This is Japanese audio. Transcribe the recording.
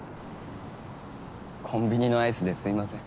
コンビニのアイスですいません。